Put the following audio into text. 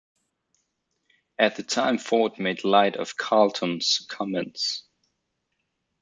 At the time Ford made light of Carlton's comments.